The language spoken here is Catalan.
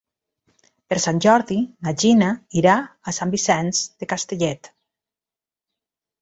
Per Sant Jordi na Gina irà a Sant Vicenç de Castellet.